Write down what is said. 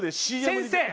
先生！